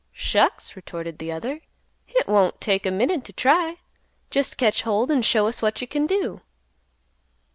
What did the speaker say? "Shucks!" retorted the other; "Hit won't take a minute t' try. Jest catch hold an' show us what you can do."